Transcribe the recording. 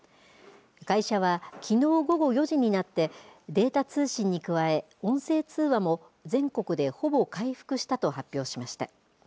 会社は、きのう午後４時になって、データ通信に加え、音声通話も全国でほぼ回復したと発表しました。